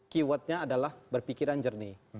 keywordnya adalah berpikiran jernih